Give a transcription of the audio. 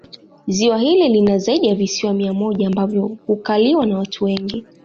Ziwa hili lina zaidi ya visiwa mia moja ambavyo hukaliwa na watu wengi